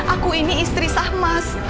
aku ini istri sah mas